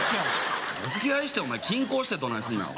どつき合いしてお前均衡してどないすんねん。